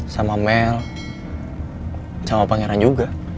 sama mel sama pangeran juga